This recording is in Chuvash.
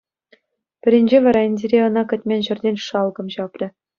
Пӗринче вара Индире ӑна кӗтмен ҫӗртен шалкӑм ҫапрӗ.